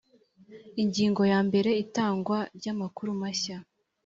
ingingo ya mbere itangwa ry amakuru mashya